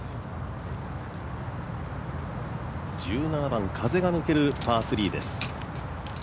１７番、風が抜けるパー３です。